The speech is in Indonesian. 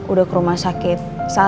udah ke rumah sakit